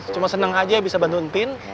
cuma seneng aja bisa bantuin tin